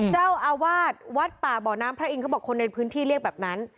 เจ้าอาวาสวัดป่าบ่อน้ำพระอินทเขาบอกคนในพื้นที่เรียกแบบนั้น